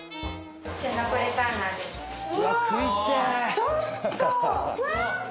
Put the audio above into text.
ちょっと！